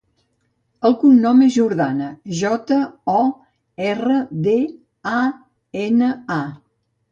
El cognom és Jordana: jota, o, erra, de, a, ena, a.